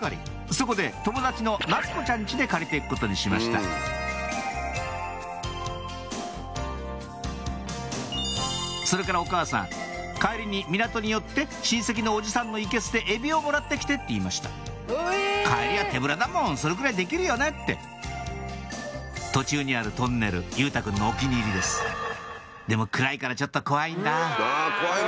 そこで友達の夏子ちゃんちで借りていくことにしましたそれからお母さん「帰りに港に寄って親戚のおじさんのいけすでエビをもらってきて」って言いました「帰りは手ぶらだもんそれぐらいできるよね」って途中にあるトンネル佑太くんのお気に入りですでも暗いからちょっと怖いんだ怖いね。